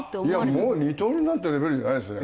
いやもう二刀流なんてレベルじゃないですね。